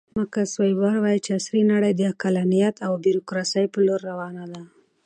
ماکس ویبر وایي چې عصري نړۍ د عقلانیت او بیروکراسۍ په لور روانه ده.